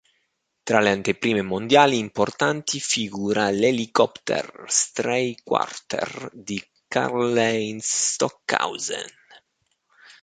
Tra le anteprime mondiali importanti figura l"'Helikopter-Streichquartett" di Karlheinz Stockhausen.